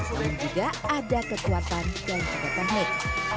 namun juga ada kesuatan dan kegiatan teknik